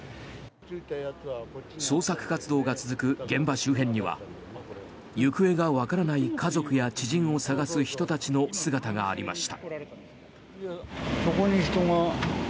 捜索活動が続く現場周辺には行方がわからない家族や知人を捜す人たちの姿がありました。